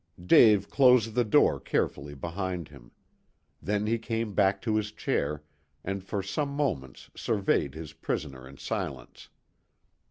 Dave closed the door carefully behind him. Then he came back to his chair, and for some moments surveyed his prisoner in silence.